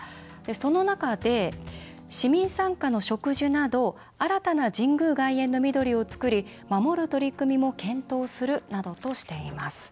その中で「市民参加の植樹など新たな神宮外苑のみどりを作り守る取組みも検討」するなどとしています。